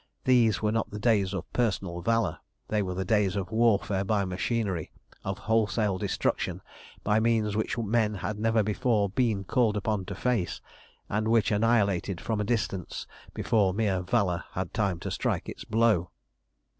These were not the days of personal valour. They were the days of warfare by machinery, of wholesale destruction by means which men had never before been called upon to face, and which annihilated from a distance before mere valour had time to strike its blow.